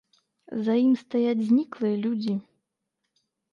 За ім стаяць зніклыя людзі.